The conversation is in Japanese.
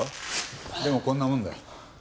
でもこんなもんだ。